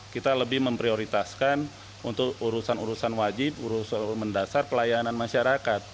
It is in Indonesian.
kita lebih memprioritaskan untuk urusan urusan wajib urusan mendasar pelayanan masyarakat